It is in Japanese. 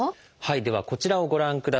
ではこちらをご覧ください。